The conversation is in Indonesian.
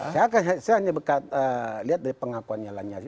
saya hanya lihat dari pengakuannya lanyar